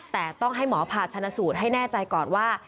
แต่ต้องให้หมอผ่าชนะสูตรให้แน่ใจก่อนว่า